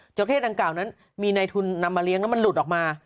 เจ้าเพศดังกล่าวนั้นมีในทุนนำมาเลี้ยงแล้วมันหลุดออกมา